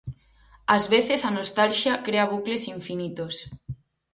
Ás veces a nostalxia crea bucles infinitos.